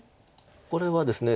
これはですね